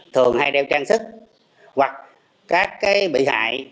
thường hay đeo trang sức hoặc các bị hại